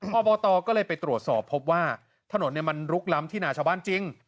อบตก็เลยไปตรวจสอบพบว่าถนนมันลุกล้ำที่นาชาวบ้านจริง